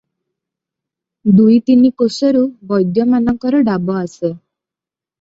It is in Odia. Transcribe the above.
ଦୁଇ ତିନି କୋଶରୁ ବୈଦ୍ୟମାନଙ୍କର ଡାବ ଆସେ ।